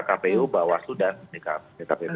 kpu bawas dan dpr